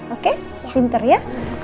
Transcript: oke pinter ya